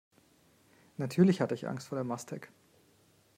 Natürlich hatte ich Angst vor der Mastek.